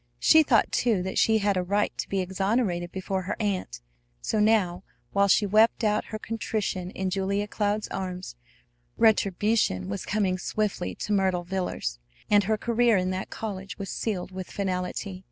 She thought, too, that she had a right to be exonerated before her aunt. So now, while she wept out her contrition in Julia Cloud's arms, retribution was coming swiftly to Myrtle Villers; and her career in that college was sealed with finality.